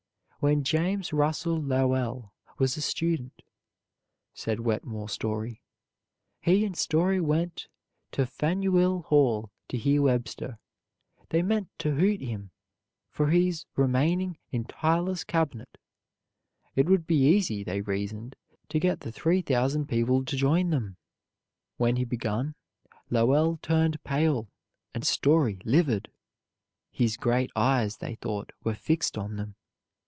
When James Russell Lowell was a student, said Wetmore Story, he and Story went to Faneuil Hall to hear Webster. They meant to hoot him for his remaining in Tyler's cabinet. It would be easy, they reasoned, to get the three thousand people to join them. When he begun, Lowell turned pale, and Story livid. His great eyes, they thought, were fixed on them.